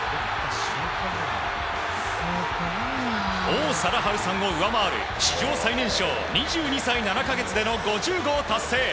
王貞治さんを上回る史上最年少２２歳７か月での５０号達成。